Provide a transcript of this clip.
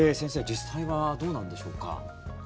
実際はどうなんでしょうか。